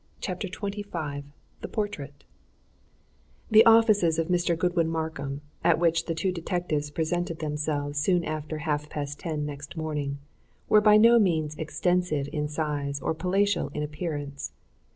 CHAPTER XXV THE PORTRAIT The offices of Mr. Godwin Markham, at which the two detectives presented themselves soon after half past ten next morning, were by no means extensive in size or palatial in appearance.